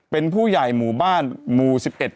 เป็นผู้ใหญ่หมู่บ้านหมู่๑๑